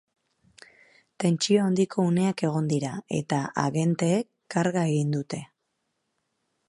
Tentsio handiko uneak egon dira, eta agenteek karga egin dute.